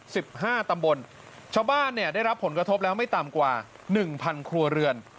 สิบห้าตำบลชาวบ้านเนี่ยได้รับผลกระทบแล้วไม่ต่ำกว่าหนึ่งพันครัวเรือน